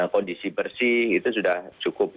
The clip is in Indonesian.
kondisi bersih itu sudah cukup